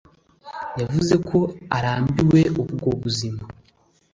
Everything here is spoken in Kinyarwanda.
yavuze ko arambiwe ubwo buzima